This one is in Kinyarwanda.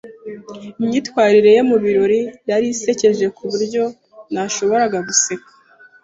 Imyitwarire ye mubirori yari isekeje kuburyo ntashoboraga guseka.